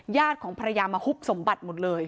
ญาติของภรรยามาฮุบสมบัติหมดเลย